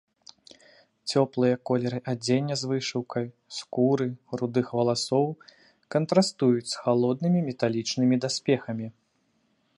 Цёплыя колеры адзення з вышыўкай, скуры, рудых валасоў кантрастуюць з халоднымі металічнымі даспехамі.